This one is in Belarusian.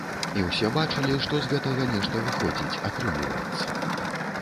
І ўсе бачылі, што з гэтага нешта выходзіць, атрымліваецца.